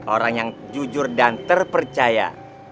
orang yang jujur dan terpercaya